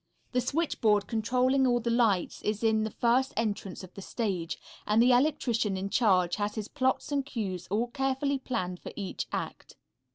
The switchboard controlling all the lights is in the first entrance of the stage, and the electrician in charge has his plots and cues all carefully planned for each act.